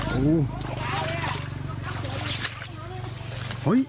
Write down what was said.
โอ้โห